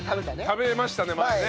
食べましたね前ね。